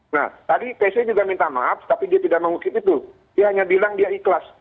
nah tadi pc juga minta maaf tapi dia tidak mengukip itu dia hanya bilang dia ikhlas